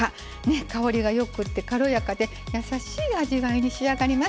香りがよくって軽やかでやさしい味わいに仕上がります。